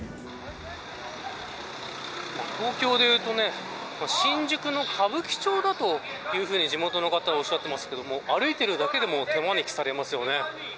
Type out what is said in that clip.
東京で言うと新宿の歌舞伎町だというふうに地元の方はおっしゃってますけども歩いてるだけでも手招きされますよね。